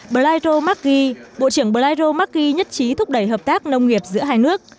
blairo macchi bộ trưởng blairo macchi nhất trí thúc đẩy hợp tác nông nghiệp giữa hai nước